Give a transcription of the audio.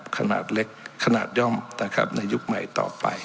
ขนาดเล็กขนาดย่อมนะครับในยุคใหม่ต่อไป